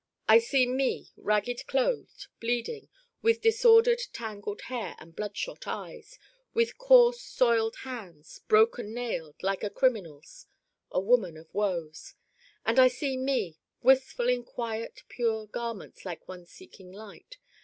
I see Me ragged clothed, bleeding, with disordered tangled hair and bloodshot eyes, with coarse soiled hands, broken nailed, like a criminal's: a woman of woes. And I see Me wistful in quiet pure garments like one seeking light.